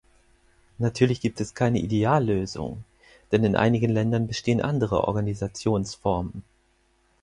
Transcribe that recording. Natürlich gibt es keine Ideallösung, denn in einigen Ländern bestehen andere Organisationsformen.